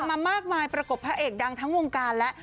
มามากมายประกบพระเอกดังทั้งวงการแล้ว